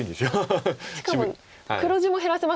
しかも黒地も減らせますもんね。